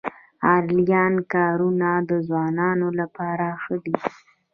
انلاین کارونه د ځوانانو لپاره ښه دي